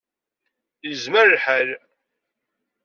Yezmer lḥal.